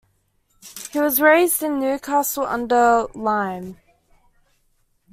He was raised in Newcastle-under-Lyme.